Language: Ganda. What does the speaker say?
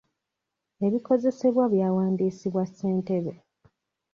Ebikozesebwa byawandiisibwa ssentebe.